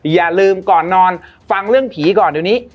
อย่าลืมก่อนนอนฟังเรื่องผีก่อนเดี๋ยวนี้